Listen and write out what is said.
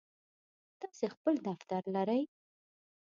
تاسی خپل دفتر لرئ؟